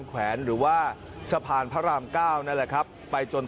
แต่มันถูกลากไปประมาณ๒๐เมตร